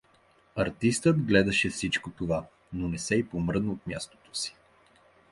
Артистът гледаше всичко това, но не се и помръдна от мястото си.